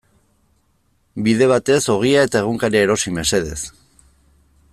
Bide batez ogia eta egunkaria erosi mesedez.